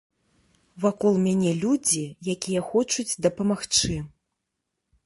Вакол мяне людзі, якія хочуць дапамагчы.